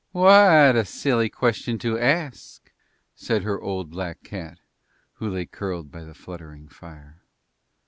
"What a silly question to ask," said her old black cat who lay curled by the fluttering fire.